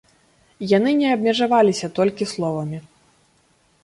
Яны не абмежаваліся толькі словамі.